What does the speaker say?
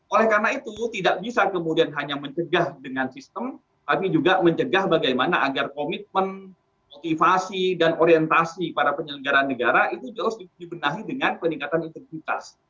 oleh karena itu tidak bisa kemudian hanya mencegah dengan sistem tapi juga mencegah bagaimana agar komitmen motivasi dan orientasi para penyelenggara negara itu jelas dibenahi dengan peningkatan integritas